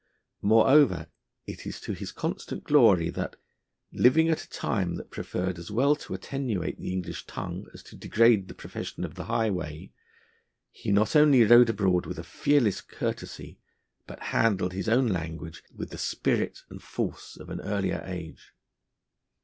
Moreover, it is to his constant glory that, living at a time that preferred as well to attenuate the English tongue as to degrade the profession of the highway, he not only rode abroad with a fearless courtesy, but handled his own language with the force and spirit of an earlier age.